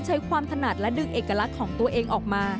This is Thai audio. ใช้ความถนัดและดึงเอกลักษณ์ของตัวเองออกมา